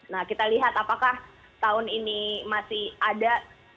nah kita lihat apakah tahun ini masih ada